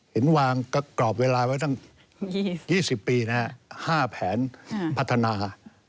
เห็นวางกรอบเวลาไว้ตั้ง๒๐ปีนะฮะ๕แผนพัฒนา